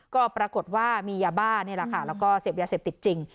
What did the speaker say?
ก็ปรากฏว่ามียาบ้านี่แหละค่ะแล้วก็เสพยาเสพติดจริง